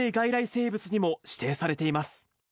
生物にも指定されています。